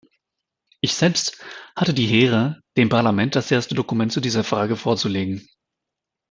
Ich selbst hatte die Ehre, dem Parlament das erste Dokument zu dieser Frage vorzulegen.